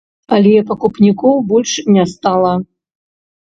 Але пакупнікоў больш не стала.